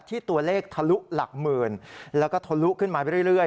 ที่ตัวเลขทะลุหลักหมื่นแล้วก็ทะลุขึ้นมาไปเรื่อย